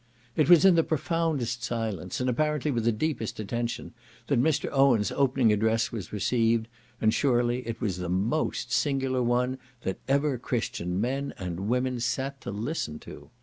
It was in the profoundest silence, and apparently with the deepest attention, that Mr. Owen's opening address was received; and surely it was the most singular one that ever Christian men and women sat to listen to.